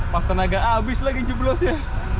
pas tenaga habis lagi jeblosnya